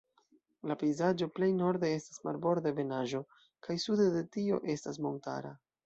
La pejzaĝo plej norde estas marborda ebenaĵo, kaj sude de tio estas montara.